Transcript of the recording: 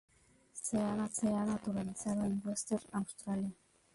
Se ha naturalizado en Western Australia.